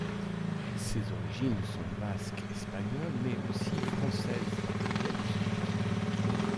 Ses origines sont basques espagnoles mais aussi françaises par le biais de son père.